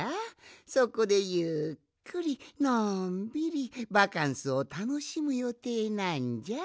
そこでゆっくりのんびりバカンスをたのしむよていなんじゃ。